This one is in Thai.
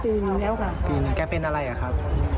ตัวเองก็คอยดูแลพยายามเท็จตัวให้ตลอดเวลา